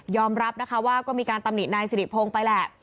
ยอมรับว่าก็มีการตำหนินายศิริพงธ์ไปแหละ